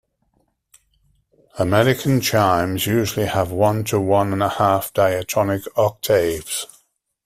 American chimes usually have one to one and a half diatonic octaves.